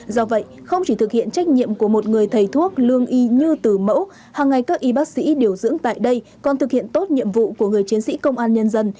do vậy không chỉ thực hiện trách nhiệm của một người thầy thuốc lương y như từ mẫu hàng ngày các y bác sĩ điều dưỡng tại đây còn thực hiện tốt nhiệm vụ của người chiến sĩ công an nhân dân